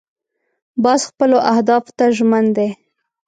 باز خپلو اهدافو ته ژمن دی